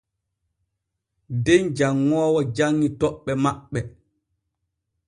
Den janŋoowo janŋi toɓɓe maɓɓe.